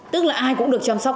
tức là ai cũng được chăm sóc